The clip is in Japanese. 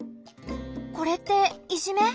これっていじめ？